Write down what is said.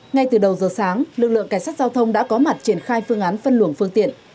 ngay từ đầu giờ sáng lực lượng cảnh sát giao thông đã có mặt triển khai phương án phân luồng phương tiện